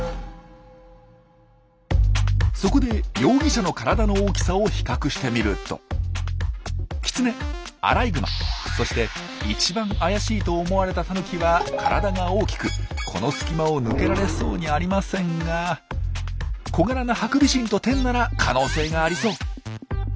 そこで容疑者の体の大きさを比較してみるとキツネアライグマそして一番怪しいと思われたタヌキは体が大きくこの隙間を抜けられそうにありませんが小柄なハクビシンとテンなら可能性がありそう。